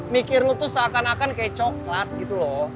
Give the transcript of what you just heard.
mikir lo tuh seakan akan kayak coklat gitu loh